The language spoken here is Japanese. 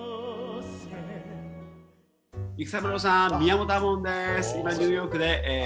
育三郎さん宮本亞門です。